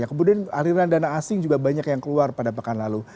kemudian aliran dana asing juga banyak yang keluar pada pekan lalu